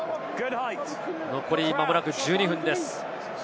残り、まもなく１２分です。